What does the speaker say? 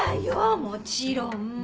もちろん！